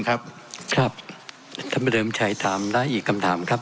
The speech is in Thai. ครับท่านประธานาคับประเดิมใจตามร้ายอีกคำถามครับ